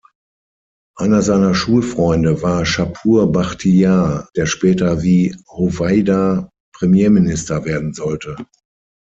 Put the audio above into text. Einer seiner Schulfreunde war Schapur Bachtiar, der später wie Hoveyda Premierminister werden sollte.